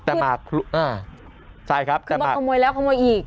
เออคือคือเค้าโมยแล้วเค้าโมยอีก